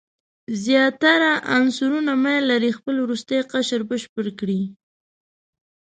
زیاتره عنصرونه میل لري خپل وروستی قشر بشپړ کړي.